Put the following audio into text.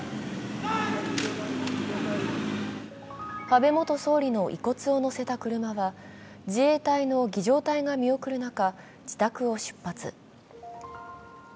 安倍元総理の遺骨をのせた車は自衛隊の儀じょう隊が見送る中、自宅をしは。